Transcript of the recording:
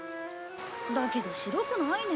だけど白くないね。